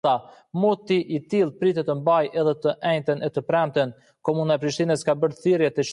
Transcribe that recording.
Stirling Silliphant wrote the screenplay.